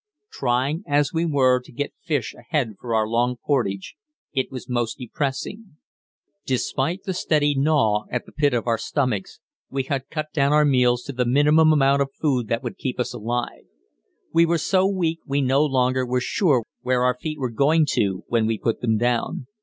Trying as we were to get fish ahead for our long portage, it was most depressing. Despite the steady gnaw, gnaw at the pit of our stomachs, we had cut down our meals to the minimum amount of food that would keep us alive; we were so weak we no longer were sure where our feet were going to when we put them down.